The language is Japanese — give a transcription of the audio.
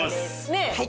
ねえ。